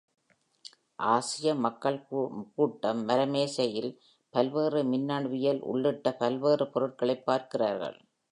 ஆசிய மக்கள் கூட்டம் மர மேசையில் பல்வேறு மின்னணுவியல் உள்ளிட்ட பல்வேறு பொருட்களைப் பார்க்கிறார்கள்.